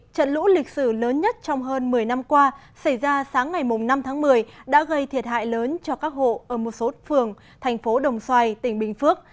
trận lũ lịch sử lớn nhất trong hơn một mươi năm qua xảy ra sáng ngày năm tháng một mươi đã gây thiệt hại lớn cho các hộ ở một số phường thành phố đồng xoài tỉnh bình phước